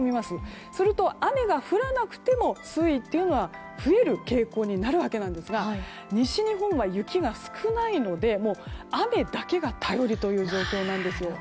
すると、雨が降らなくても水位というのは増える傾向になるわけなんですが西日本は雪が少ないので雨だけが頼りという状況なんです。